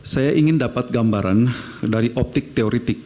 saya ingin dapat gambaran dari optik teoretik